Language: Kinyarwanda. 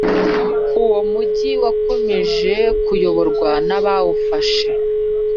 Uwo mugi wakomeje kuyoborwa n’abawufashe